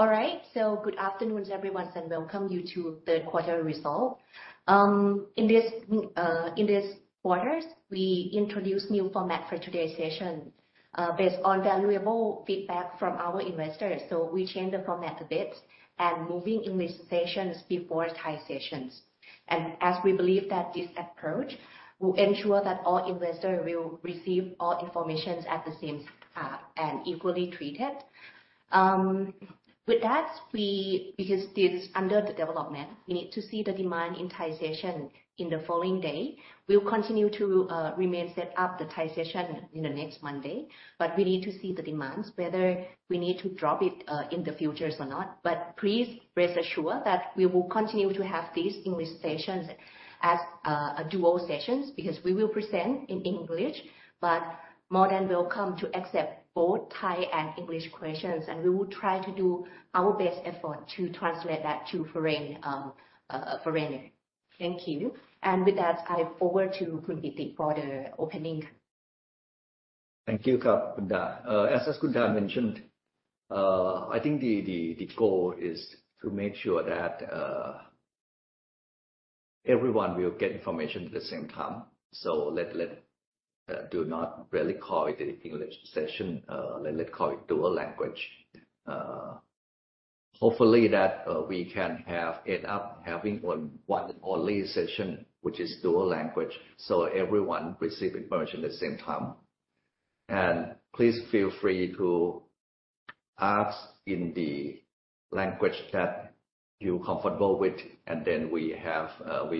All right, so good afternoon, everyone, and welcome you to third quarter result. In this quarter's, we introduce new format for today's session, based on valuable feedback from our investors. So we change the format a bit and moving English sessions before Thai sessions. And as we believe that this approach will ensure that all investors will receive all information at the same time, and equally treated. With that, because this is under development, we need to see the demand in Thai session in the following day. We'll continue to remain set up the Thai session in the next Monday, but we need to see the demands, whether we need to drop it in the future or not. But please rest assured that we will continue to have these English sessions as a dual sessions, because we will present in English, but more than welcome to accept both Thai and English questions. And we will try to do our best effort to translate that to foreign. Thank you. And with that, I forward to Khun Piti for the opening. Thank you, Khun Da. As Khun Da mentioned, I think the goal is to make sure that everyone will get information at the same time, so let's not really call it an English session, let's call it dual language. Hopefully that we can end up having one only session, which is dual language, so everyone receive information at the same time, and please feel free to ask in the language that you're comfortable with, and then we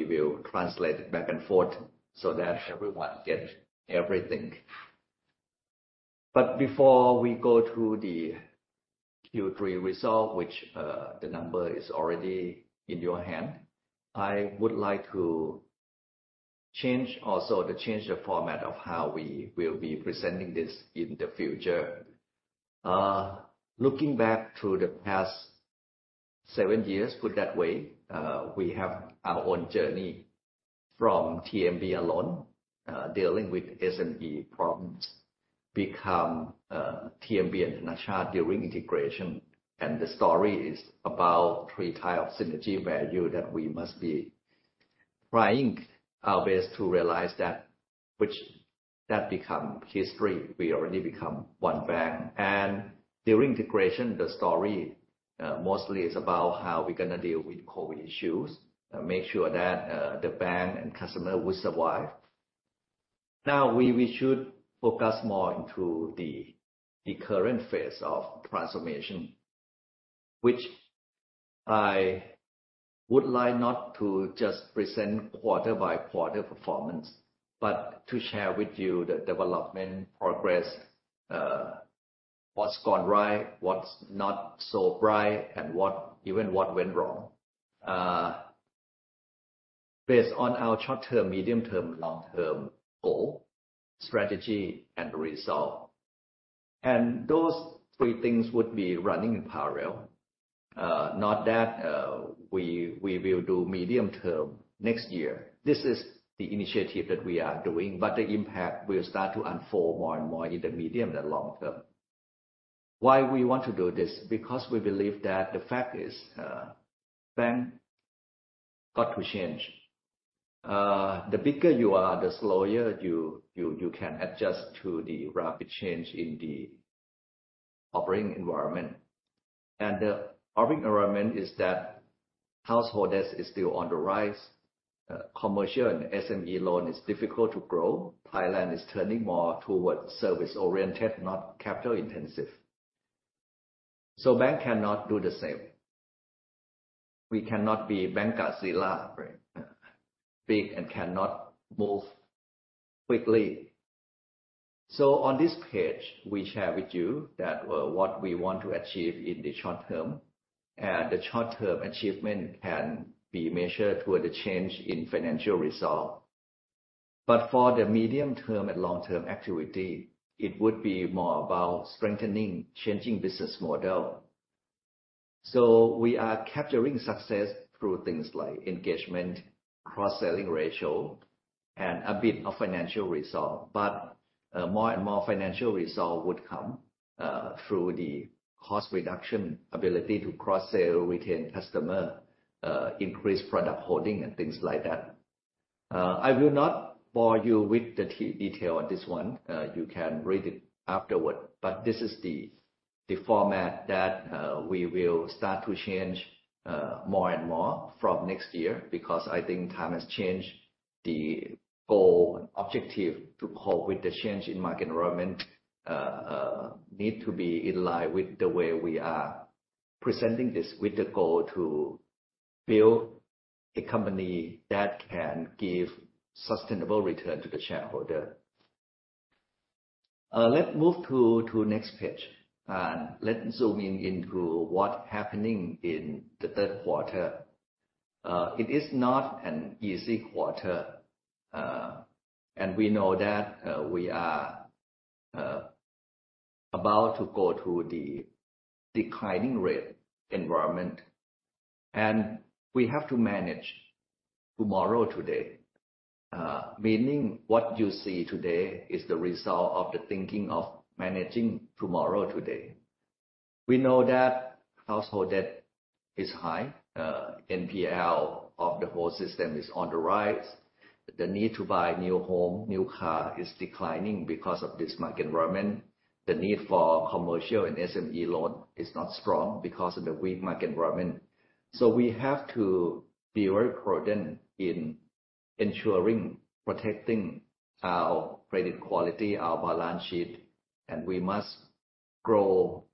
will translate it back and forth so that everyone gets everything, but before we go to the Q3 result, which the number is already in your hand, I would like to also change the format of how we will be presenting this in the future. Looking back through the past seven years, put that way, we have our own journey from TMB alone, dealing with SME problems, become TMB and Thanachart during integration. The story is about three type of synergy value that we must be trying our best to realize that, which that become history. We already become one bank. During integration, the story mostly is about how we're gonna deal with COVID issues and make sure that the bank and customer will survive. Now, we should focus more into the current phase of transformation, which I would like not to just present quarter-by-quarter performance, but to share with you the development progress, what's gone right, what's not so right, and what even what went wrong. Based on our short-term, medium-term, long-term goal, strategy and result. And those three things would be running in parallel. Not that we will do medium term next year. This is the initiative that we are doing, but the impact will start to unfold more and more in the medium and long term. Why we want to do this? Because we believe that the fact is, bank got to change. The bigger you are, the slower you can adjust to the rapid change in the operating environment. And the operating environment is that household debt is still on the rise, commercial and SME loan is difficult to grow. Thailand is turning more towards service-oriented, not capital intensive. So bank cannot do the same. We cannot be Bank Godzilla, right? Big and cannot move quickly. So on this page, we share with you that what we want to achieve in the short term, and the short-term achievement can be measured toward the change in financial result. But for the medium-term and long-term activity, it would be more about strengthening, changing business model. So we are capturing success through things like engagement, cross-selling ratio, and a bit of financial result. But more and more financial result would come through the cost reduction, ability to cross-sell, retain customer, increase product holding, and things like that. I will not bore you with the detail on this one. You can read it afterward, but this is the format that we will start to change more and more from next year, because I think time has changed. The goal and objective to cope with the change in market environment need to be in line with the way we are presenting this, with the goal to build a company that can give sustainable return to the shareholder. Let's move to next page, and let's zoom in into what's happening in the third quarter. It is not an easy quarter, and we know that we are about to go through the declining rate environment. We have to manage tomorrow, today. Meaning what you see today is the result of the thinking of managing tomorrow, today. We know that household debt is high. NPL of the whole system is on the rise. The need to buy new home, new car, is declining because of this market environment. The need for commercial and SME loan is not strong because of the weak market environment, so we have to be very prudent in ensuring, protecting our credit quality, our balance sheet, and we must grow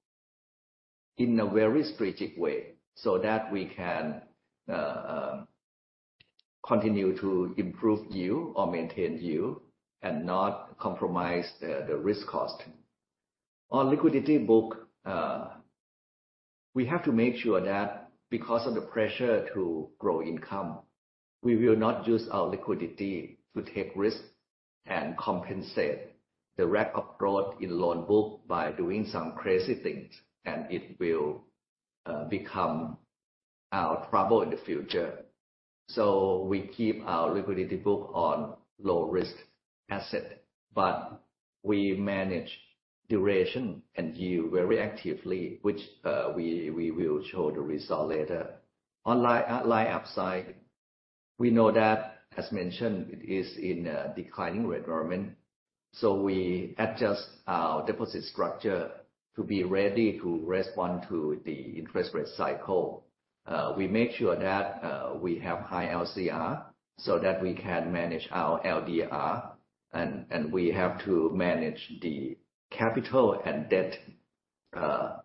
in a very strategic way, so that we can continue to improve yield or maintain yield and not compromise the risk cost. On liquidity book, we have to make sure that because of the pressure to grow income, we will not use our liquidity to take risk and compensate the lack of growth in loan book by doing some crazy things, and it will become our trouble in the future, so we keep our liquidity book on low-risk asset, but we manage duration and yield very actively, which we will show the result later. On liability upside, we know that, as mentioned, it is in a declining rate environment, so we adjust our deposit structure to be ready to respond to the interest rate cycle. We make sure that we have high LCR so that we can manage our LDR, and we have to manage the capital and debt,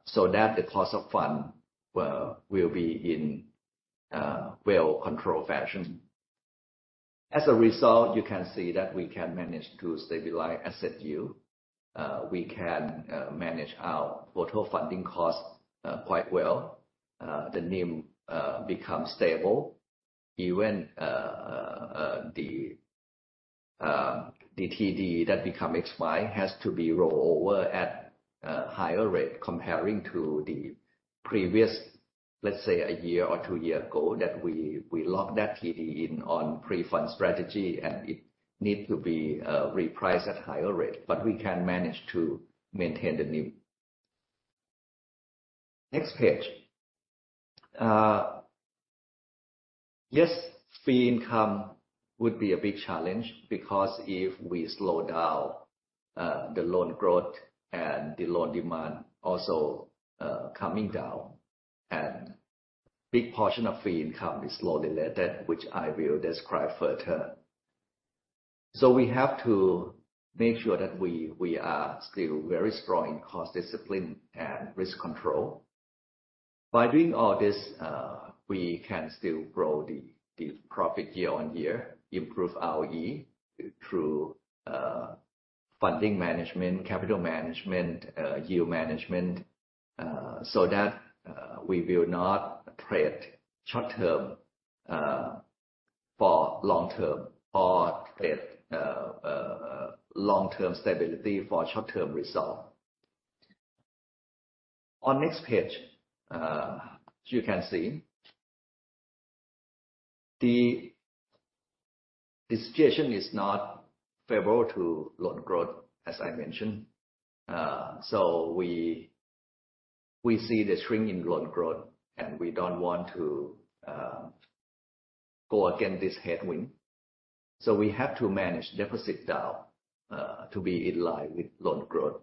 so that the cost of fund, well, will be in a well-controlled fashion. As a result, you can see that we can manage to stabilize asset yield. We can manage our total funding cost quite well. The NIM becomes stable. Even the TD that become expired has to be rolled over at a higher rate comparing to the previous, let's say, a year or two year ago, that we locked that TD in on pre-fund strategy, and it need to be repriced at higher rate. But we can manage to maintain the NIM. Next page. Yes, fee income would be a big challenge, because if we slow down the loan growth and the loan demand also coming down, and big portion of fee income is loan related, which I will describe further. So we have to make sure that we are still very strong in cost discipline and risk control. By doing all this, we can still grow the profit year on year, improve ROE through funding management, capital management, yield management, so that we will not trade short term for long term or trade long-term stability for short-term result. On next page, you can see the situation is not favourable to loan growth, as I mentioned, so we see the shrink in loan growth, and we don't want to go against this headwind, so we have to manage deposit down to be in line with loan growth,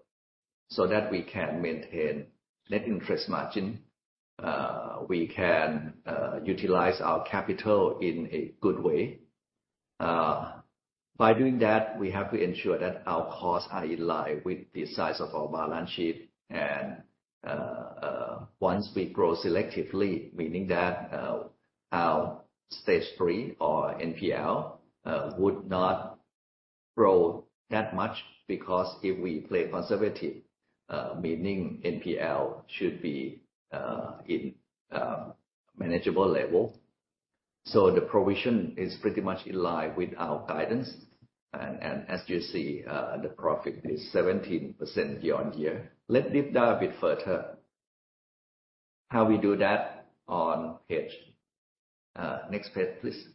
so that we can maintain net interest margin, we can utilize our capital in a good way. By doing that, we have to ensure that our costs are in line with the size of our balance sheet. Once we grow selectively, meaning that our Stage 3 or NPL would not grow that much, because if we play conservative, meaning NPL should be in manageable level. The provision is pretty much in line with our guidance. As you see, the profit is 17% year-on-year. Let's deep dive a bit further, how we do that on page. Next page, please.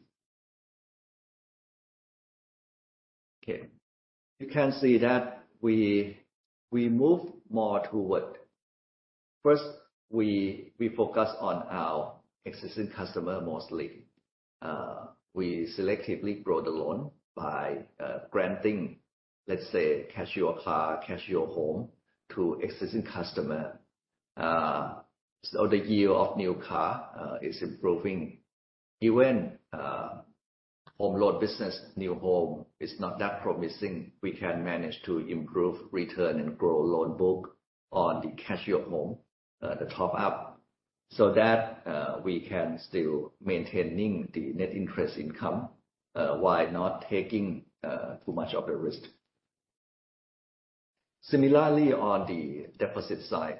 Okay. You can see that we move more toward... First, we focus on our existing customer mostly. We selectively grow the loan by granting, let's say, Cash Your Car, Cash Your Home to existing customer. The year of new car is improving. Even home loan business, new home is not that promising. We can manage to improve, return, and grow loan book on the Cash Your Home, the top up, so that we can still maintaining the net interest income, while not taking too much of the risk. Similarly, on the deposit side,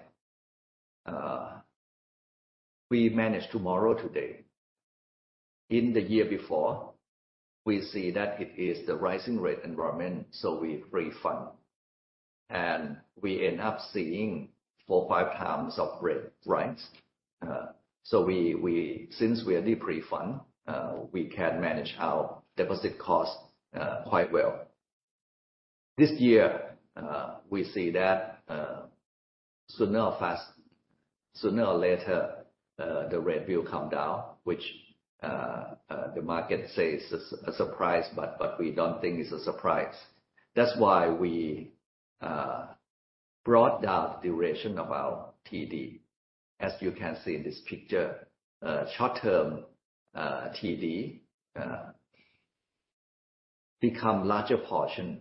we manage to borrow today. In the year before, we see that it is the rising rate environment, so we pre-fund. And we end up seeing four, five times of rate rise. So we, since we already pre-fund, we can manage our deposit costs quite well. This year, we see that sooner or later, the rate will come down, which the market says is a surprise, but we don't think it's a surprise. That's why we brought down the duration of our TD. As you can see in this picture, short-term TD become larger portion.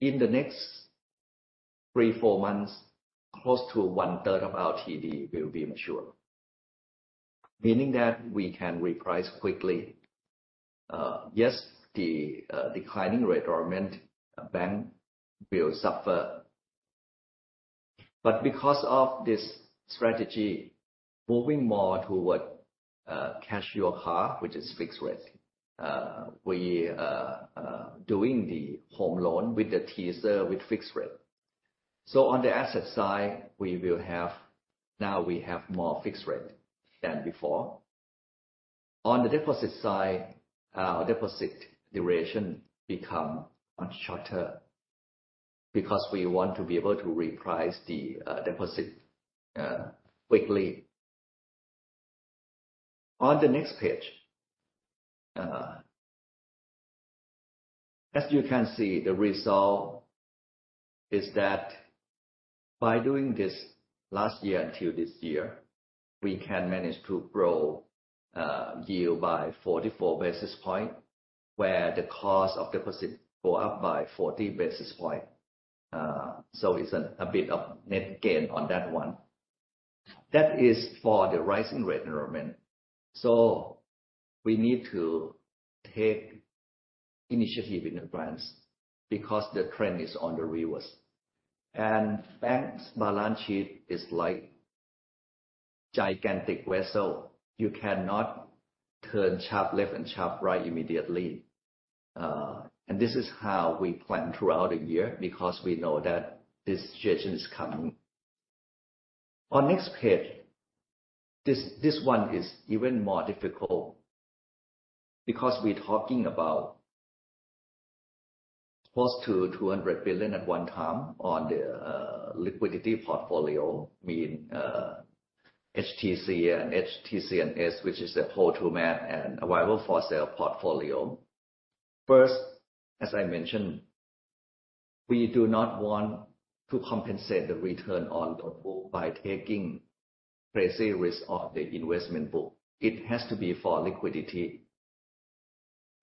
In the next three, four months, close to one third of our TD will be mature, meaning that we can reprice quickly. Yes, the declining rate environment, bank will suffer. But because of this strategy, moving more toward Cash Your Car, which is fixed rate, we are doing the home loan with the teaser with fixed rate. So on the asset side, we will have now we have more fixed rate than before. On the deposit side, our deposit duration become much shorter, because we want to be able to reprice the deposit quickly. On the next page, as you can see, the result is that by doing this last year until this year, we can manage to grow yield by 44 basis point, where the cost of deposit go up by 40 basis point. So it's a bit of net gain on that one. That is for the rising rate environment. So we need to take initiative in advance because the trend is on the reverse. And banks' balance sheet is like gigantic vessel. You cannot turn sharp left and sharp right immediately. And this is how we plan throughout the year, because we know that this situation is coming. On next page, this one is even more difficult because we're talking about close to 200 billion at one time on the liquidity portfolio, meaning HTC and HTC&S, which is the hold-to-maturity and available-for-sale portfolio. First, as I mentioned, we do not want to compensate the return on loan pool by taking crazy risk of the investment book. It has to be for liquidity.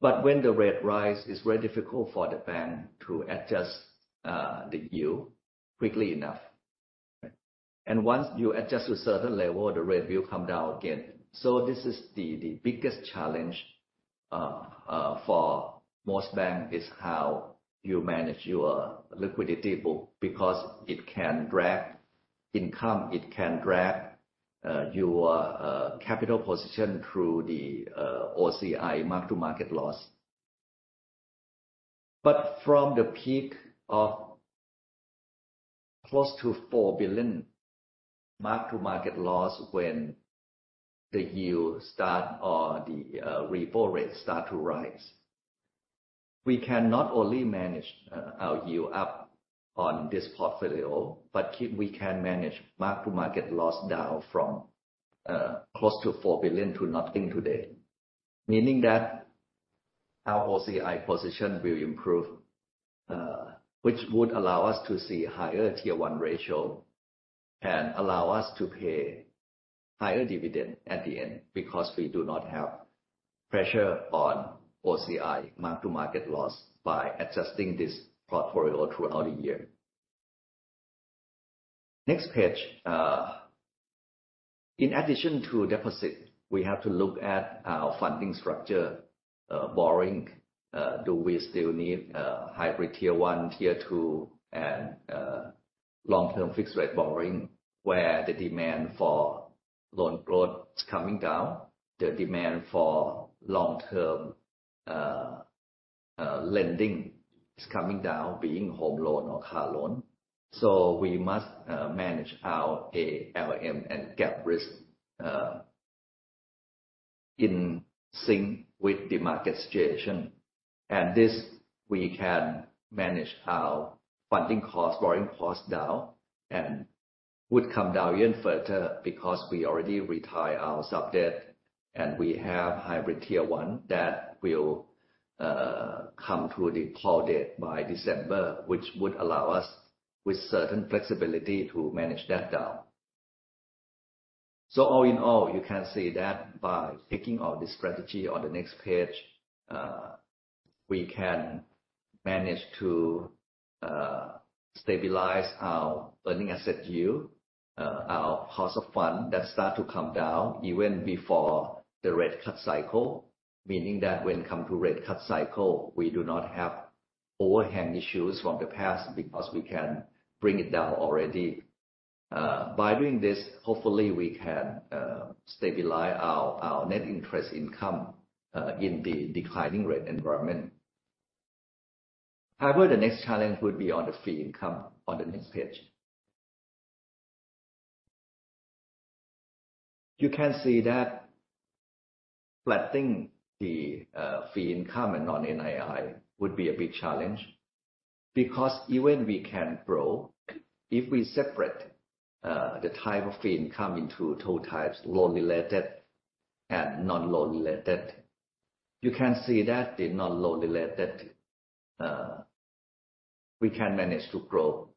But when the rate rise, it's very difficult for the bank to adjust the yield quickly enough. And once you adjust to a certain level, the rate will come down again. So this is the biggest challenge for most banks, is how you manage your liquidity book, because it can drag income, it can drag your capital position through the OCI mark-to-market loss. But from the peak of close to 4 billion mark-to-market loss when the yield start or the repo rate start to rise, we can not only manage our yield up on this portfolio, but manage mark-to-market loss down from close to 4 billion to nothing today. Meaning that our OCI position will improve, which would allow us to see higher Tier 1 ratio, and allow us to pay higher dividend at the end, because we do not have pressure on OCI mark-to-market loss by adjusting this portfolio throughout the year. Next page. In addition to deposit, we have to look at our funding structure, borrowing. Do we still need hybrid Tier 1, Tier 2, and long-term fixed rate borrowing, where the demand for loan growth is coming down, the demand for long-term lending is coming down, being home loan or car loan? So we must manage our ALM and gap risk in sync with the market situation. And this, we can manage our funding cost, borrowing cost down, and would come down even further because we already retire our sub-debt, and we have hybrid Tier 1 that will come to the call date by December, which would allow us with certain flexibility to manage that down. So all in all, you can see that by thinking of this strategy on the next page, we can manage to stabilize our earning asset yield, our cost of fund that start to come down even before the rate cut cycle. Meaning that when it come to rate cut cycle, we do not have overhang issues from the past because we can bring it down already. By doing this, hopefully we can stabilize our net interest income in the declining rate environment. However, the next challenge would be on the fee income on the next page. You can see that flattening the fee income and Non-NII would be a big challenge. Because even we can grow, if we separate the type of fee income into two types, loan related and non-loan related, you can see that the non-loan related, we can manage to grow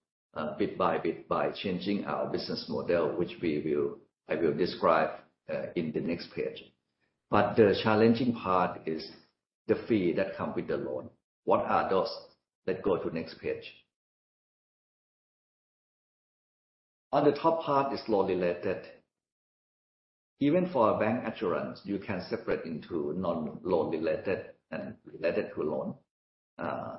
bit by bit by changing our business model, which we will--I will describe in the next page. But the challenging part is the fee that come with the loan. What are those? Let's go to next page. On the top part is loan related. Even for bancassurance, you can separate into non-loan related and related to loan.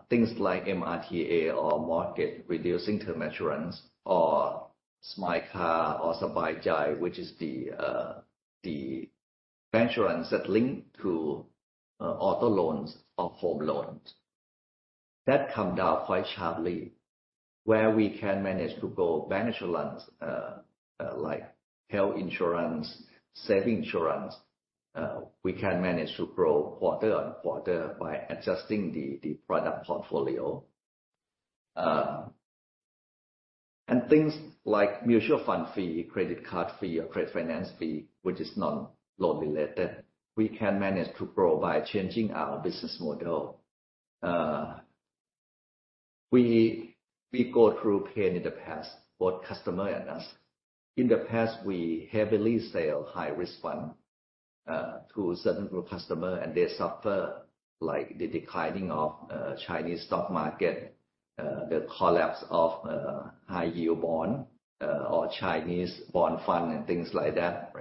Things like MRTA or mortgage reducing term insurance, or Smile Car or Sabai Jai, which is the bancassurance that link to auto loans or home loans. That come down quite sharply, where we can manage to grow bancassurance, like health insurance, savings insurance, we can manage to grow quarter-on-quarter by adjusting the product portfolio. And things like mutual fund fee, credit card fee, or trade finance fee, which is non-loan related, we can manage to grow by changing our business model. We go through pain in the past, both customer and us. In the past, we heavily sell high risk fund to certain group customer, and they suffer, like the declining of Chinese stock market, the collapse of high yield bond, or Chinese bond fund, and things like that,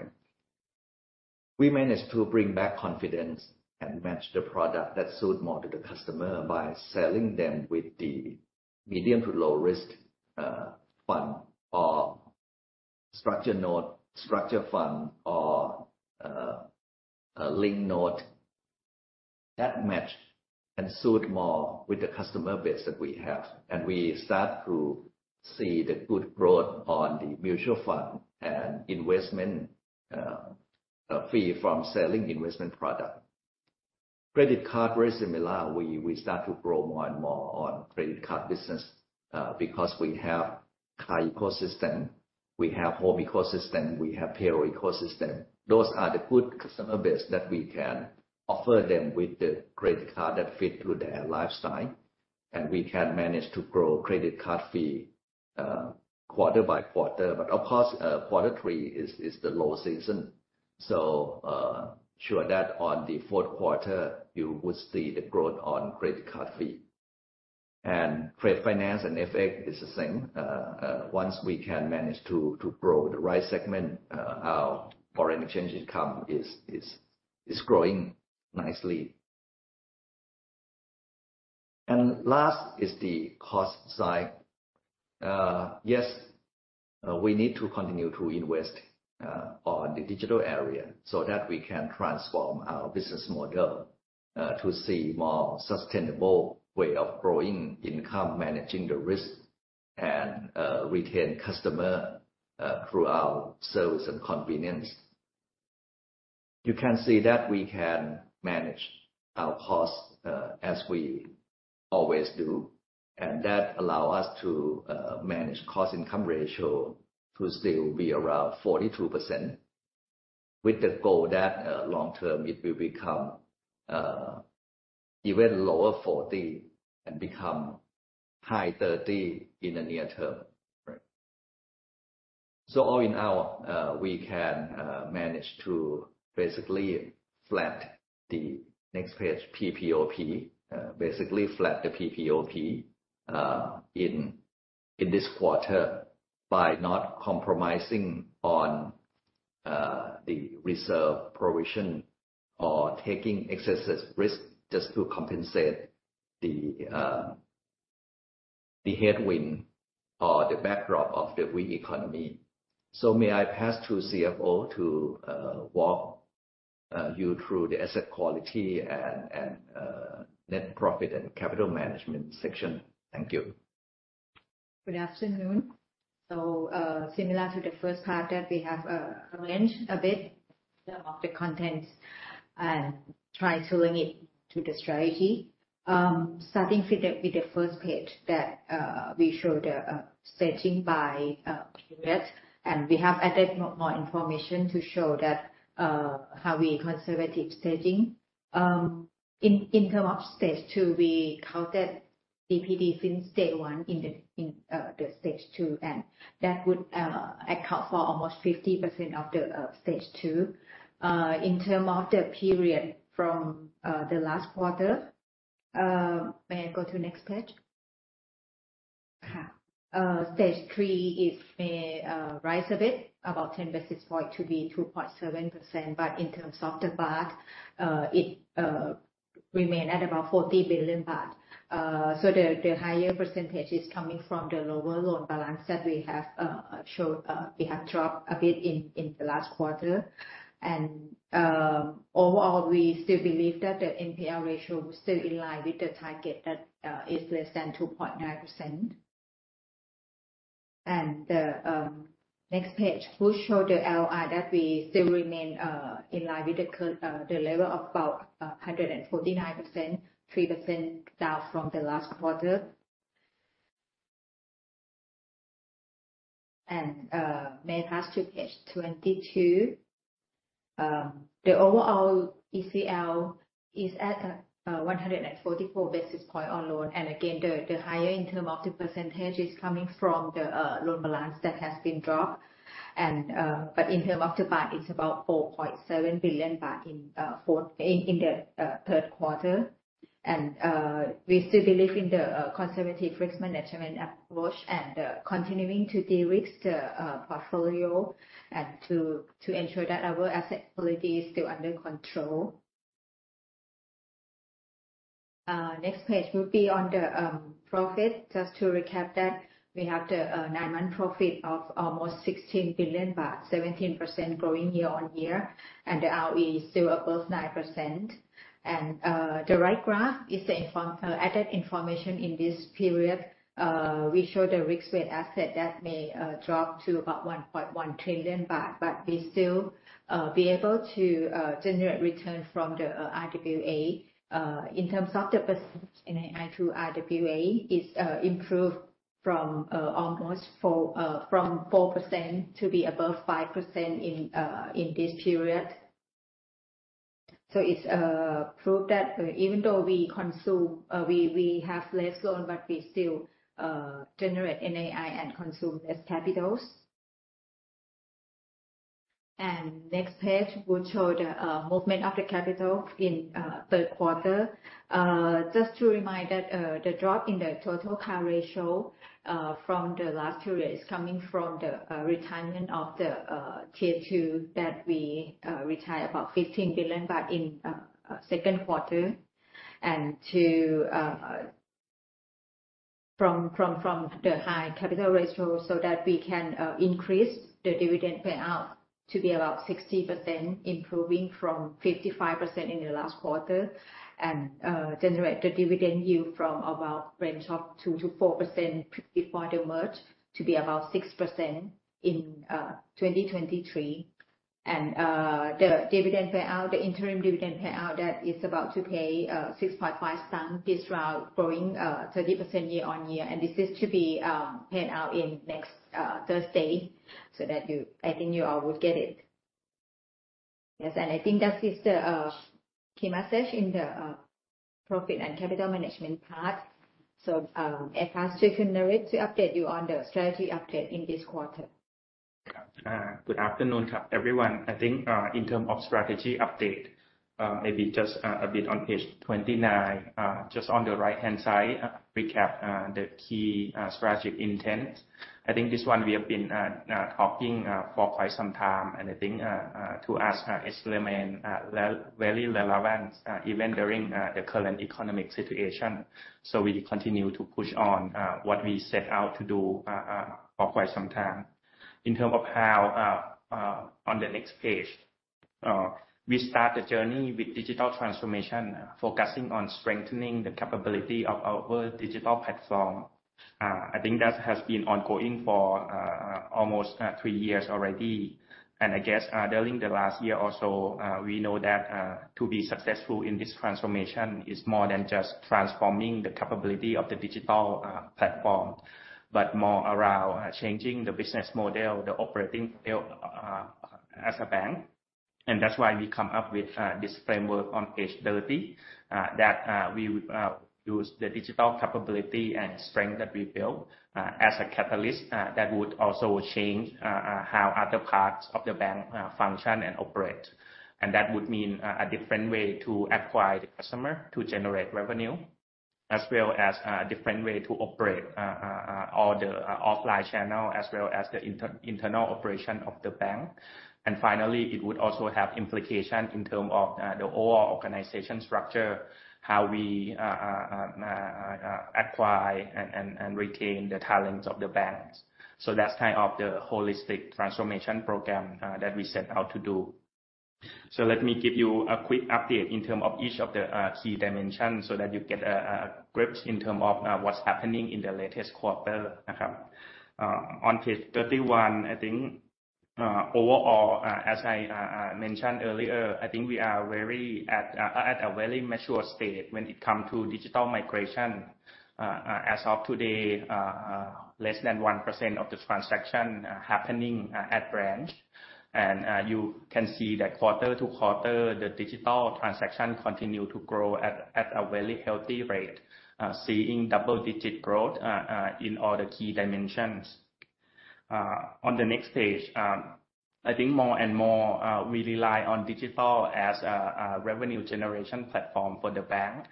right? We managed to bring back confidence and match the product that suit more to the customer by selling them with the medium to low risk fund, or structured note, structured fund, or a linked note that match and suit more with the customer base that we have. And we start to see the good growth on the mutual fund and investment fee from selling investment product. Credit card, very similar. We start to grow more and more on credit card business, because we have car ecosystem, we have home ecosystem, we have payroll ecosystem. Those are the good customer base that we can offer them with the credit card that fit to their lifestyle, and we can manage to grow credit card fee quarter-by-quarter. But of course, quarter three is the low season, so sure that on the fourth quarter you would see the growth on credit card fee. And trade finance and FX is the same. Once we can manage to grow the right segment, our foreign exchange income is growing nicely. And last is the cost side. Yes, we need to continue to invest on the digital area, so that we can transform our business model to see more sustainable way of growing income, managing the risk, and retain customer through our service and convenience. You can see that we can manage our costs, as we always do, and that allow us to manage cost-to-income ratio to still be around 42%, with the goal that long term it will become even lower forty, and become high 30 in the near term, right? So all in all, we can manage to basically flat the next page PPOP. Basically flat the PPOP in this quarter by not compromising on the reserve provision or taking excessive risk just to compensate the headwind or the backdrop of the weak economy. So may I pass to CFO to walk you through the asset quality and net profit and capital management section. Thank you. Good afternoon. Similar to the first part that we have arranged a bit some of the contents and try to link it to the strategy. Starting with the first page that we show the staging by period, and we have added more information to show that how we conservative staging. In terms of Stage 2, we counted EPD since day one in the Stage 2, and that would account for almost 50% of the Stage 2. In terms of the period from the last quarter, may I go to next page? Stage 3, it may rise a bit, about 10 basis points to be 2.7%. But in terms of the baht, it remain at about 40 billion baht. So the higher percentage is coming from the lower loan balance that we have showed. We have dropped a bit in the last quarter. Overall, we still believe that the NPL ratio is still in line with the target that is less than 2.9%. The next page will show the LLR that we still remain in line with the level of about 149%, 3% down from the last quarter. May pass to page 22. The overall ECL is at 144 basis point on loan. Again, the higher in term of the percentage is coming from the loan balance that has been dropped. But in terms of the baht, it's about THB 4.7 billion in the third quarter. We still believe in the conservative risk management approach, and continuing to de-risk the portfolio, and to ensure that our asset quality is still under control. Next page will be on the profit. Just to recap that, we have the nine-month profit of almost 16 billion baht, 17% growing year-on-year, and the ROE is still above 9%. The right graph is informational added information in this period. We show the Risk-Weighted Assets that may drop to about 1.1 trillion baht, but we'll still be able to generate return from the RWA. In terms of the percentage in RWA, is improved from almost 4% to be above 5% in this period. So it's proof that even though we consume, we have less loan, but we still generate NII and consume less capitals. And next page will show the movement of the capital in third quarter. Just to remind that the drop in the total CAR ratio from the last two years, coming from the retirement of the Tier 2, that we retire about 15 billion baht in second quarter. And to from the high capital ratio, so that we can increase the dividend payout to be about 60%, improving from 55% in the last quarter. It will generate the dividend yield from a range of about 2%-4% before the merger, to be about 6% in 2023. The dividend payout, the interim dividend payout, that is about to pay 6.5 this round, growing 30% year-on-year. This is to be paid out next Thursday, so that you, I think you all will get it. Yes, and I think that is the key message in the profit and capital management part. I pass to Naris to update you on the strategy update in this quarter. Good afternoon, everyone. I think in terms of strategy update, maybe just a bit on page twenty-nine. Just on the right-hand side, recap the key strategic intent. I think this one we have been talking for quite some time, and I think to us, it still remain very relevant, even during the current economic situation. So we continue to push on what we set out to do for quite some time. In terms of how on the next page, we start the journey with digital transformation, focusing on strengthening the capability of our digital platform. I think that has been ongoing for almost three years already. I guess during the last year or so, we know that to be successful in this transformation is more than just transforming the capability of the digital platform, but more around changing the business model, the operating model as a bank. That's why we come up with this framework on page 30 that we would use the digital capability and strength that we built as a catalyst. That would also change how other parts of the bank function and operate. That would mean a different way to acquire the customer to generate revenue, as well as different way to operate all the offline channel, as well as the internal operation of the bank. And finally, it would also have implications in term of the overall organization structure, how we acquire and retain the talents of the banks. So that's kind of the holistic transformation program that we set out to do. So let me give you a quick update in term of each of the key dimensions, so that you get a grip in term of what's happening in the latest quarter. On page thirty-one, I think, overall, as I mentioned earlier, I think we are at a very mature state when it come to digital migration. As of today, less than 1% of the transaction happening at branch. You can see that quarter to quarter, the digital transaction continue to grow at a very healthy rate, seeing double-digit growth in all the key dimensions. On the next page, I think more and more we rely on digital as a revenue generation platform for the bank.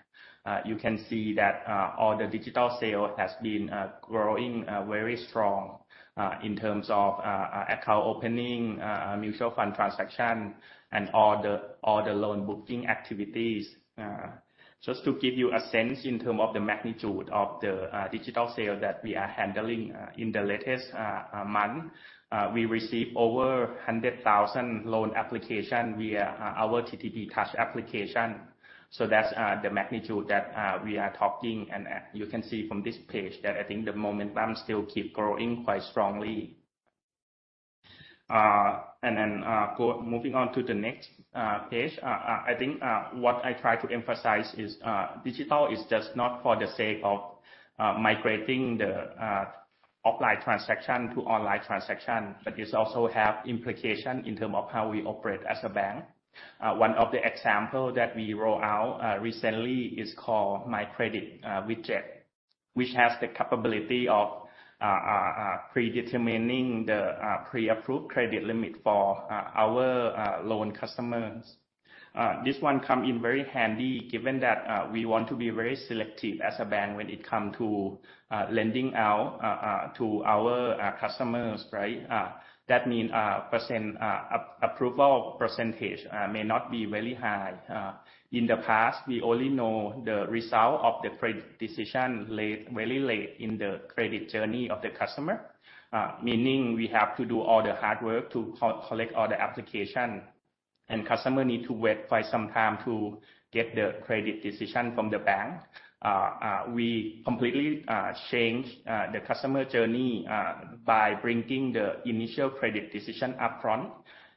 You can see that all the digital sale has been growing very strong in terms of account opening, mutual fund transaction, and all the loan booking activities. Just to give you a sense in terms of the digital sale that we are handling in the latest month, we received over 100,000 loan application via our TTB Touch application. So that's the magnitude that we are talking, and you can see from this page that I think the momentum still keep growing quite strongly. And then moving on to the next page, I think what I try to emphasize is digital is just not for the sake of migrating the offline transaction to online transaction, but it also have implication in term of how we operate as a bank. One of the example that we roll out recently is called My Credit widget, which has the capability of predetermining the pre-approved credit limit for our loan customers. This one come in very handy, given that, we want to be very selective as a bank when it come to, lending out, to our, customers, right? That mean, approval percentage, may not be very high. In the past, we only know the result of the credit decision late, very late in the credit journey of the customer, meaning we have to do all the hard work to collect all the application, and customer need to wait for some time to get the credit decision from the bank. We completely change the customer journey by bringing the initial credit decision up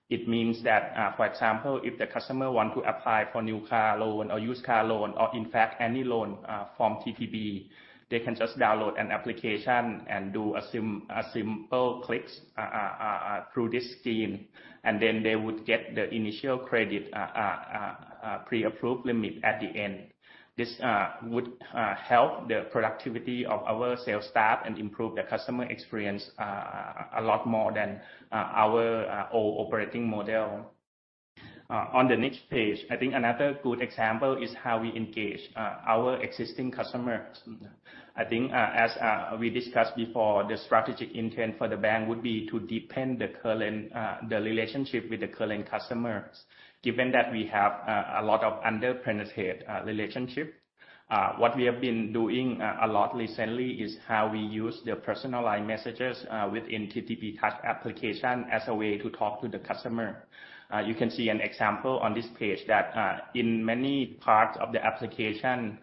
front. It means that, for example, if the customer want to apply for new car loan or used car loan, or in fact, any loan, from TTB, they can just download an application and do a simple clicks through this scheme, and then they would get the initial credit pre-approved limit at the end. This would help the productivity of our sales staff and improve the customer experience a lot more than our old operating model. On the next page, I think another good example is how we engage our existing customers. I think as we discussed before, the strategic intent for the bank would be to deepen the current relationship with the current customers, given that we have a lot of underpenetrated relationship. What we have been doing a lot recently is how we use the personalized messages within TTB Touch application as a way to talk to the customer. You can see an example on this page that in many parts of the application,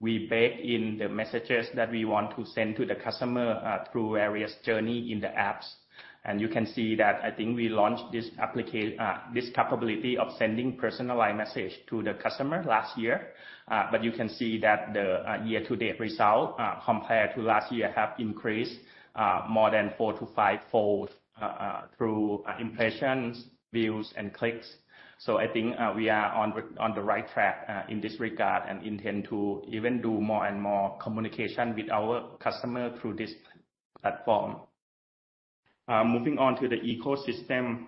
we bake in the messages that we want to send to the customer through various journey in the apps. And you can see that I think we launched this capability of sending personalized message to the customer last year. But you can see that the year-to-date result compared to last year have increased more than four to fivefold through impressions, views and clicks. I think we are on the right track in this regard, and intend to even do more and more communication with our customer through this platform. Moving on to the ecosystem.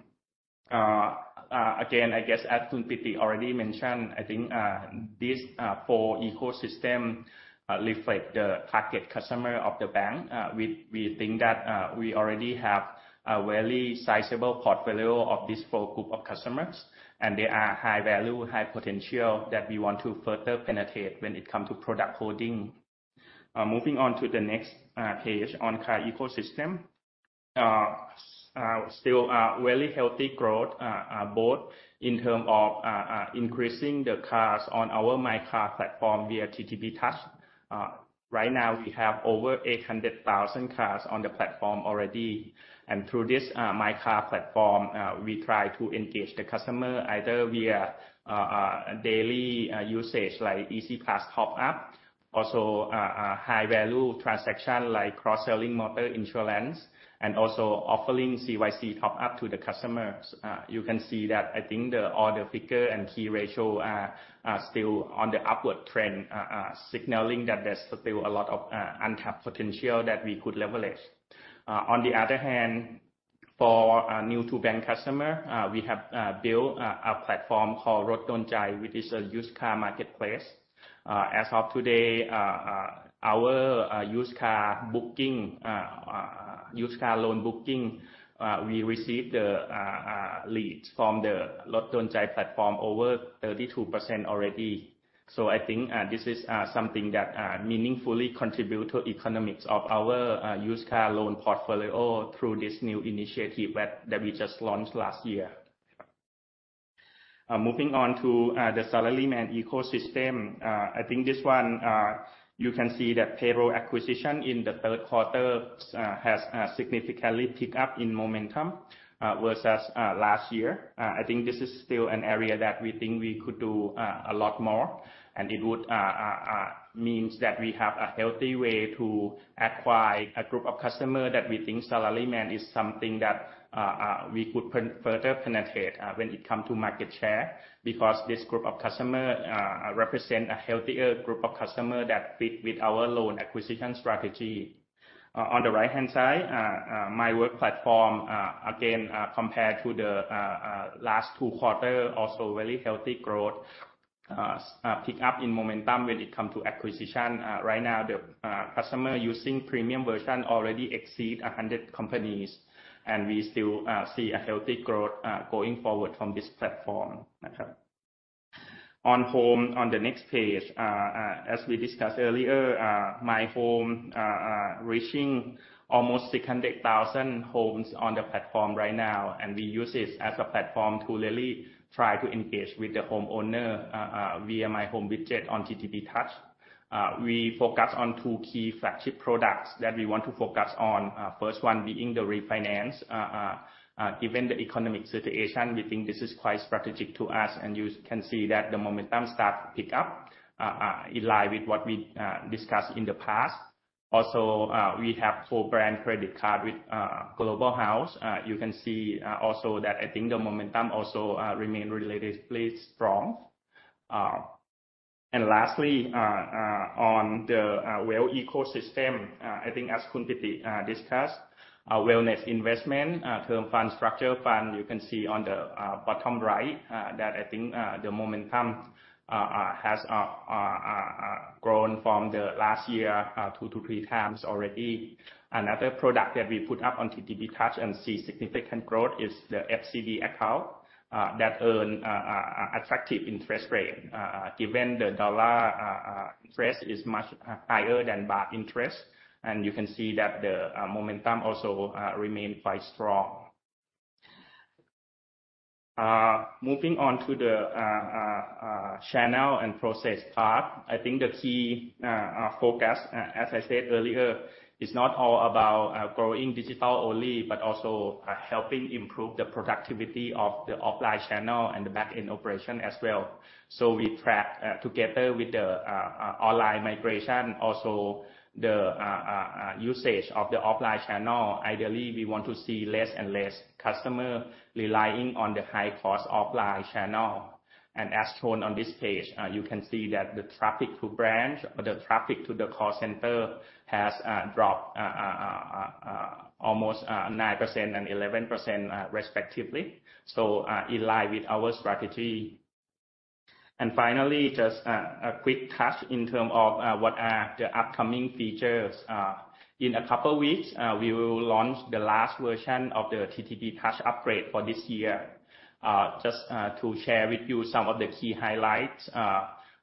Again, I guess as already mentioned, I think these four ecosystem reflect the target customer of the bank. We think that we already have a very sizable portfolio of these four group of customers, and they are high value, high potential that we want to further penetrate when it come to product holding. Moving on to the next page on car ecosystem. Still very healthy growth both in term of increasing the cars on our My Car platform via TTB Touch. Right now, we have over eight hundred thousand cars on the platform already, and through this My Car platform, we try to engage the customer either via daily usage, like Easy Pass top up, also a high-value transaction like cross-selling motor insurance, and also offering CYC top up to the customers. You can see that I think all the figures and key ratios are still on the upward trend, signalling that there's still a lot of untapped potential that we could leverage. On the other hand, for a new-to-bank customer, we have built a platform called Roddonjai, which is a used car marketplace. As of today, our used car loan booking, we received the leads from the Roddonjai platform over 32% already. So I think this is something that meaningfully contribute to economics of our used car loan portfolio through this new initiative that we just launched last year. Moving on to the Salaryman ecosystem. I think this one, you can see that payroll acquisition in the third quarter has significantly picked up in momentum versus last year. I think this is still an area that we think we could do a lot more, and it would means that we have a healthy way to acquire a group of customers that we think Salaryman is something that we could further penetrate when it come to market share, because this group of customer represent a healthier group of customer that fit with our loan acquisition strategy. On the right-hand side, My Work platform, again, compared to the last two quarter, also very healthy growth. Pick up in momentum when it come to acquisition. Right now, the customer using premium version already exceed 100 companies, and we still see a healthy growth going forward from this platform. On home, on the next page, as we discussed earlier, My Home, reaching almost six hundred thousand homes on the platform right now, and we use this as a platform to really try to engage with the homeowner, via My Home widget on TTB Touch. We focus on two key flagship products that we want to focus on. First one being the refinance. Given the economic situation, we think this is quite strategic to us, and you can see that the momentum start to pick up, in line with what we discussed in the past. Also, we have co-brand credit card with Global House. You can see, also that I think the momentum also, remain relatively strong. And lastly, on the wealth ecosystem, I think as Khun Piti discussed, wealth investment, term fund, structured fund, you can see on the bottom right, that I think the momentum has grown from the last year, two to three times already. Another product that we put up on TTB Touch and see significant growth is the FCD account, that earn attractive interest rate, given the dollar interest is much higher than baht interest, and you can see that the momentum also remain quite strong. Moving on to the channel and process part, I think the key focus, as I said earlier, is not all about growing digital only, but also helping improve the productivity of the offline channel and the backend operation as well, so we track, together with the online migration, also the usage of the offline channel. Ideally, we want to see less and less customer relying on the high-cost offline channel, and as shown on this page, you can see that the traffic to branch or the traffic to the call center has dropped almost 9% and 11%, respectively, so in line with our strategy, and finally, just a quick touch in term of what are the upcoming features. In a couple of weeks, we will launch the last version of the TTB Touch upgrade for this year. Just to share with you some of the key highlights,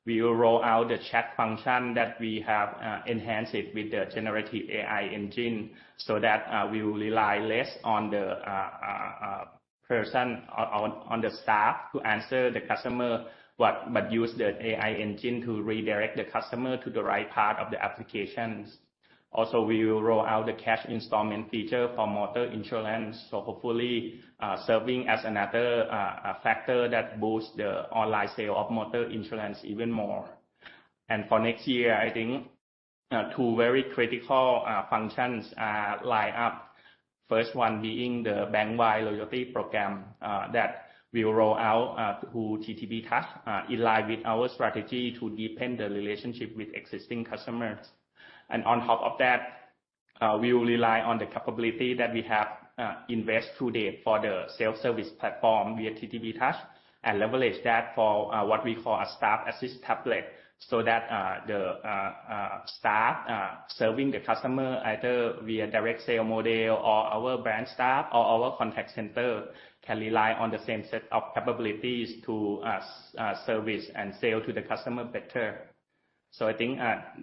we will roll out the chat function that we have enhanced it with the generative AI engine, so that we will rely less on the person on the staff to answer the customer, but use the AI engine to redirect the customer to the right part of the applications. Also, we will roll out the cash installment feature for motor insurance, so hopefully serving as another factor that boosts the online sale of motor insurance even more. For next year, I think two very critical functions are lined up. First one being the bank-wide loyalty program that we will roll out through TTB Touch in line with our strategy to deepen the relationship with existing customers. And on top of that, we will rely on the capability that we have invested to date for the self-service platform via TTB Touch and leverage that for what we call a staff assist tablet. So that the staff serving the customer, either via direct sale model or our brand staff or our contact center, can rely on the same set of capabilities to service and sell to the customer better. So I think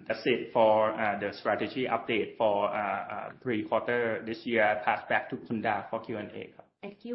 that's it for the strategy update for third quarter this year. Pass back to Khun Da for Q&A. Thank you.